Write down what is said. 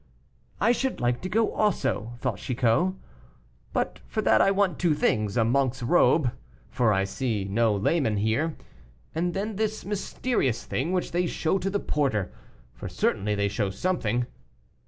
"I should like to go also," thought Chicot; "but for that I want two things a monk's robe, for I see no layman here, and then this mysterious thing which they show to the porter, for certainly they show something.